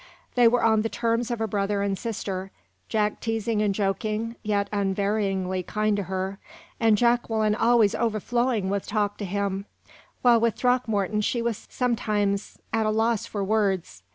They were on the terms of a brother and sister Jack teasing and joking, yet unvaryingly kind to her, and Jacqueline always overflowing with talk to him, while with Throckmorton she was sometimes at a loss for words.